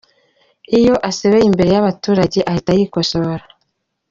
Iyo asebeye imbere y’abaturage ahita yikosora.